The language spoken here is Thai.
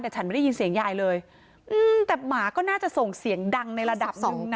แต่ฉันไม่ได้ยินเสียงยายเลยอืมแต่หมาก็น่าจะส่งเสียงดังในระดับสองนัด